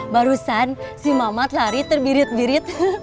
barusan si mamat lari terbirit birit